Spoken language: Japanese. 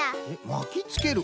まきつける？